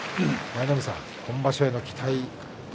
舞の海さん、今場所の期待